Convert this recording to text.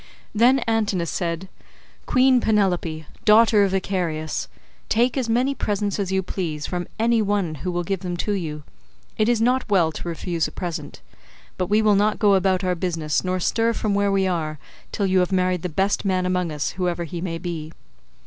Then Antinous said, "Queen Penelope, daughter of Icarius, take as many presents as you please from any one who will give them to you; it is not well to refuse a present; but we will not go about our business nor stir from where we are, till you have married the best man among us whoever he may be."